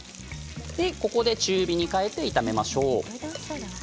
ここで中火に変えて炒めましょう。